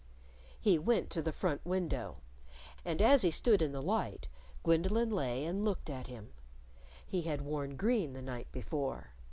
He went to the front window. And as he stood in the light, Gwendolyn lay and looked at him. He had worn green the night before.